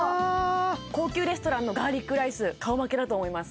高級レストランのガーリックライス顔負けだと思います